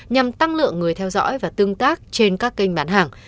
nhằm tăng lượng người theo dõi và tương tác trên các kênh bán hàng